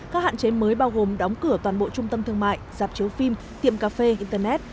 các hạn chế mới bao gồm đóng cửa toàn bộ trung tâm thương mại dạp chiếu phim tiệm cà phê internet